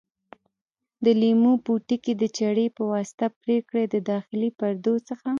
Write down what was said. د لیمو پوټکي د چاړې په واسطه پاک کړئ د داخلي پردو څخه.